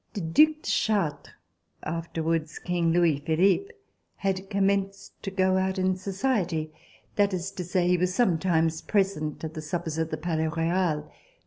The Due de Chartres, afterwards King Louis Philippe, had commenced to go out in society, that is to say, he was sometimes present at the suppers at the Palais Royal.